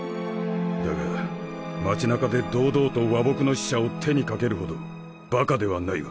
だが街中で堂々と和睦の使者を手に掛けるほどバカではないわ。